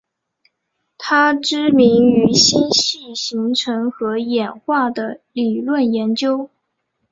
她知名于星系形成和演化的理论研究。